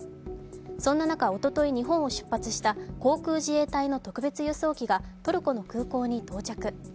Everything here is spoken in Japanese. そんな中、おととい日本を出発した航空自衛隊の特別輸送機がトルコの空港に到着。